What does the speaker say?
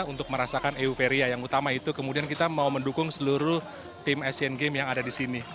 untuk merasakan euforia yang utama itu kemudian kita mau mendukung seluruh tim asian games yang ada di sini